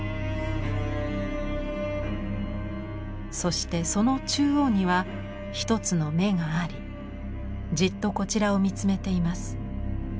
そしてその中央には一つの眼がありじっとこちらを見つめています。